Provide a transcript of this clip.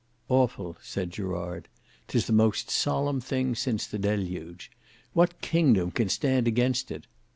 "Awful," said Gerard; "'tis the most solemn thing since the deluge. What kingdom can stand against it?